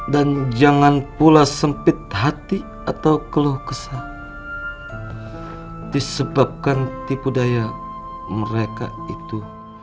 dan jangan pula sempit hati atau keluh kesal disebabkan tipu daya mereka itu